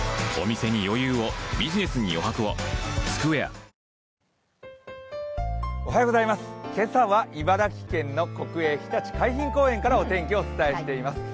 ナンバーワン今朝は茨城県の国営ひたち海浜公園からお天気をお伝えしています。